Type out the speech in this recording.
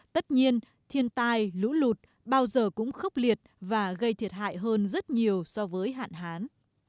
tất nhiên thiên tai lũ lụt bao giờ cũng khốc liệt và gây thiệt hại hơn rất nhiều so với hạn hán